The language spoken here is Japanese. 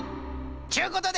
ちゅうことで！